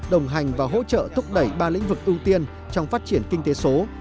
đồng hành và hỗ trợ thúc đẩy ba lĩnh vực ưu tiên trong phát triển kinh tế số